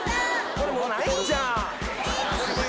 これもうないんちゃうん？